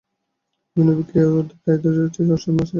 বিভিন্ন ক্রিয়ার জন্য প্রায় চুরাশীটি আসন আছে।